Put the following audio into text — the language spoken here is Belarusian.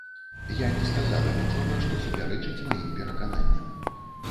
Я не сказала нічога, што супярэчыць маім перакананням.